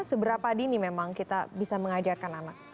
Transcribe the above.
seberapa dini memang kita bisa mengajarkan anak